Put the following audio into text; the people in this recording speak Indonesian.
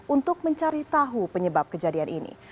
untuk mencari tahu penyebab kejadian ini